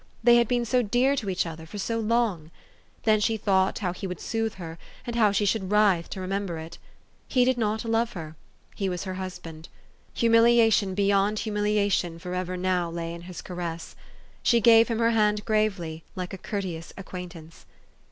They had been so dear to each other for so long ! Then she thought how he would soothe her, and how she should writhe to remember it. He did not love her. He was her husband. Humiliation beyond humiliation lay forever now in his caress. She gave him her hand gravely, like a courteous acquaintance.